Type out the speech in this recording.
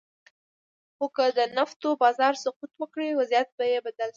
خو که د نفتو بازار سقوط وکړي، وضعیت به یې بدل شي.